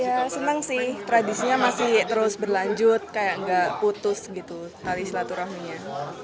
ya senang sih tradisinya masih terus berlanjut kayak nggak putus gitu tali silaturahminya